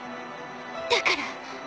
だから。